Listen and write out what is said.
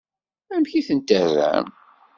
Amek i tent-terram?